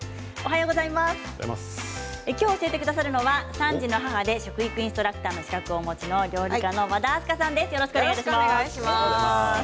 今日、教えてくださるのは３児の母で食育インストラクターの資格をお持ちの料理家の和田明日香さんです。